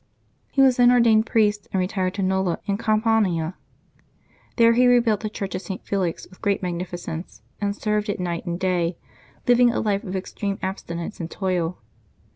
He was then ordained priest, and retired to Nola in Campania. There he rebuilt the Church of St. Felix with great magnificence, and served it night and day, living a life of extreme abstinence and toil.